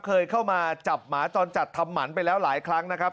เคยเข้ามาจับหมาจรจัดทำหมันไปแล้วหลายครั้งนะครับ